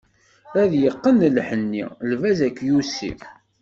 Ad yeqqen lḥenni, lbaz akyusi.